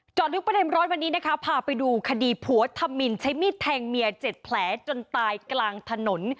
ลึกประเด็นร้อนวันนี้นะคะพาไปดูคดีผัวธรรมินใช้มีดแทงเมีย๗แผลจนตายกลางถนน